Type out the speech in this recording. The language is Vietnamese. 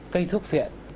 cây thuốc viện